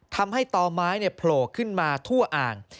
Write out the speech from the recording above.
ทำให้ต่อไม้โผล่ขึ้นมาทั่วอ่าง